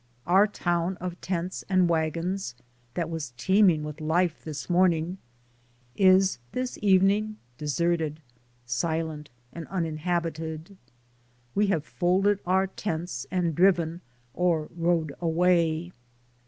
Our town of tents and wagons that was teeming with life this morning is this evening deserted, silent, and uninhabited. We have folded our tents and driven or rode away.